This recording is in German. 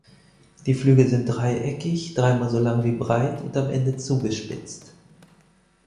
Die Flügel sind dreieckig, dreimal so lang wie breit und am Ende zugespitzt.